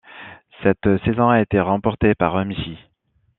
Cette saison a été remportée par Emji.